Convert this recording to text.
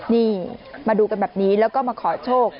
นี่มาดูกันแบบนี้แล้วก็มาขอโชค